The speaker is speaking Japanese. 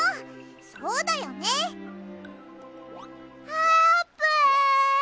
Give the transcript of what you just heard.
あーぷん。